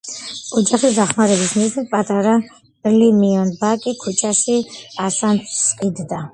ოჯახის დახმარების მიზნით პატარა ლი მიონ ბაკი ქუჩაში ასანთს ყიდდა.